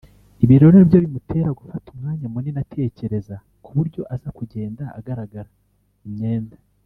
ibi rero ni byo bimutera gufata umwanya munini atekereza ku buryo aza kugenda agaragara (imyenda